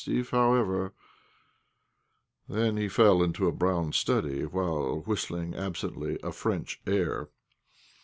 If, however " Then he fell into a brown study while whistling absently a French air.